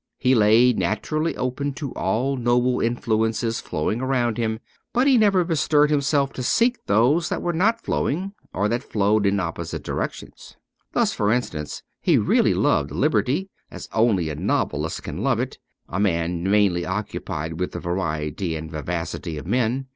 He lay naturally open to all noble influences flowing around him ; but he never bestirred himself to seek those that were not flowing or that flowed in opposite directions. Thus, for instance, he really loved liberty, as only a novelist can love it, a man mainly occupied with the variety and vivacity of men.